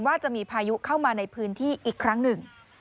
ว่าจะมีพายุเข้ามาในพื้นที่อีกครั้งหนึ่ง